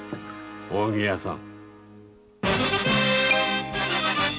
扇屋さん。